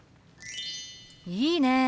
いいね！